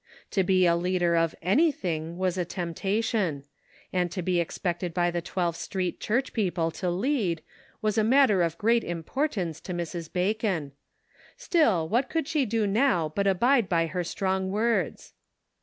To be a leader of anything was a temptation ; and to be expected by the Twelfth Street Church people to lead, was a matter of great importance to Mrs. Bacon. Still what could she do now but abide by her strong words?